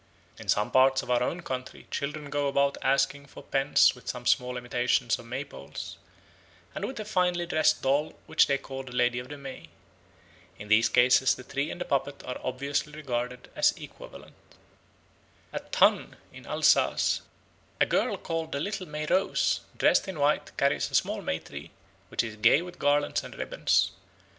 In some parts of our own country children go about asking for pence with some small imitations of May poles, and with a finely dressed doll which they call the Lady of the May. In these cases the tree and the puppet are obviously regarded as equivalent. At Thann, in Alsace, a girl called the Little May Rose, dressed in white, carries a small May tree, which is gay with garlands and ribbons.